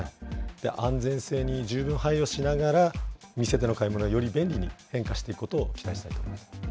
安全性に十分配慮しながら、店での買い物が便利に変化していくことを期待したいと思います。